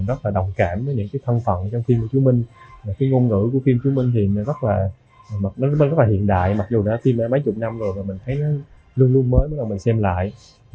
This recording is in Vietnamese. luôn luôn mới bắt đầu mình xem lại